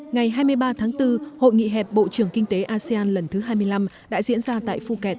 ngày hai mươi ba tháng bốn hội nghị hẹp bộ trưởng kinh tế asean lần thứ hai mươi năm đã diễn ra tại phu kẹt